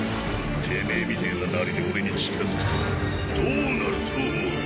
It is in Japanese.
てめぇみてぇななりで俺に近づくとどうなると思う？